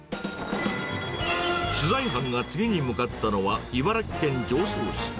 取材班が次に向かったのは、茨城県常総市。